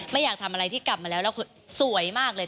อยากทำอะไรที่กลับมาแล้วแล้วสวยมากเลย